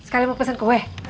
kalian mau pesan kue